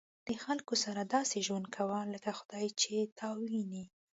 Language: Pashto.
د خلکو سره داسې ژوند کوه لکه خدای چې تا ویني.